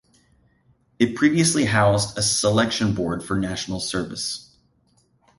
It previously housed a selection board for National Service.